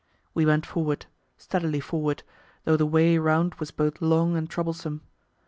We went forward steadily forward though the way round was both long and troublesome.